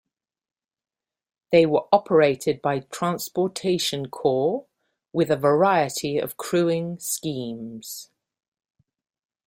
They were operated by Transportation Corps with a variety of crewing schemes.